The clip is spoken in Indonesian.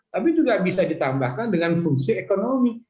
tapi juga bisa ditambahkan dengan fungsi ekonomi